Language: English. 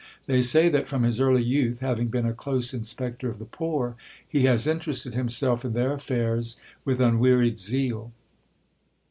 They say that from his early youth, having been a close inspector of the poor, he has in terested himself in their affairs with unwearied zeal.